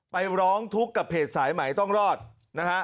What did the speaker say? ร้องทุกข์กับเพจสายใหม่ต้องรอดนะฮะ